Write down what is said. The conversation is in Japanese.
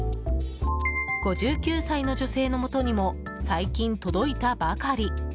５９歳の女性のもとにも最近届いたばかり。